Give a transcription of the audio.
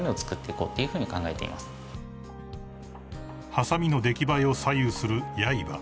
［はさみの出来栄えを左右するやいば］